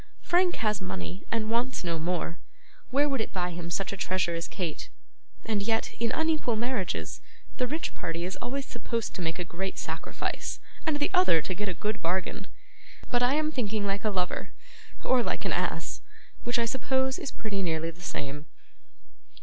Frank has money, and wants no more. Where would it buy him such a treasure as Kate? And yet, in unequal marriages, the rich party is always supposed to make a great sacrifice, and the other to get a good bargain! But I am thinking like a lover, or like an ass: which I suppose is pretty nearly the same.